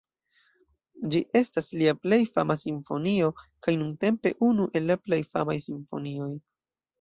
Ĝi estas lia plej fama simfonio, kaj nuntempe unu el la plej famaj simfonioj.